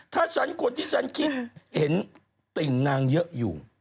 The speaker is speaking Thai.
ถ้าฉันคนที่ฉันคิดเห็นติ่งนางเยอะอยู่